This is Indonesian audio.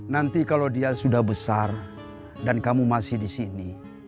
nanti kalo dia sudah besar dan kamu masih disini